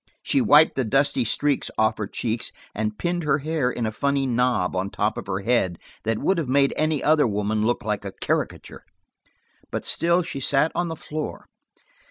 She wiped the dusty streaks off her cheeks and pinned her hair in a funny knob on top of her head that would have made any other woman look like a caricature. But still she sat on the floor.